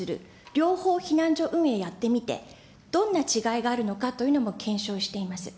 両方、避難所運営やってみて、どんな違いがあるのかというのも検証しています。